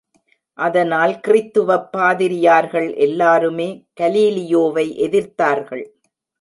அதனால் கிறித்துவப் பாதிரியார்கள் எல்லாருமே கலீலியோவை எதிர்த்தார்கள்.